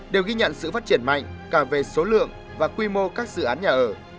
đều ghi nhận sự phát triển mạnh cả về số lượng và quy mô các dự án nhà ở